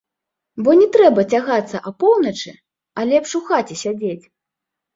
Бо не трэба цягацца апоўначы, а лепш у хаце сядзець!